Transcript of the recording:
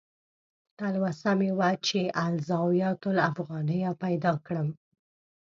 تلوسه مې وه چې "الزاویة الافغانیه" پیدا کړم.